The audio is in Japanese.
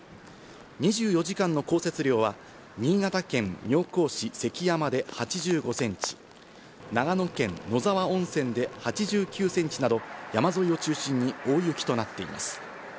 ２４時間の降雪量は新潟県妙高市関山で８５センチ、長野県野沢温泉で８９センチなど山沿いを中心に大雪となっています。